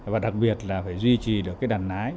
và đặc biệt là phải duy trì được cái đàn nái